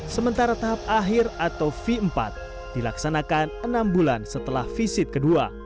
sementara tahap akhir atau v empat dilaksanakan enam bulan setelah visit kedua